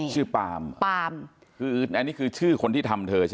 ปาล์มปาล์มคืออันนี้คือชื่อคนที่ทำเธอใช่ไหม